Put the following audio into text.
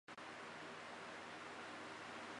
陈仲书畏罪在家中上吊。